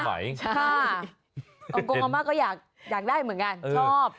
เอากงอาม่าก็อยากได้เหมือนกันชอบ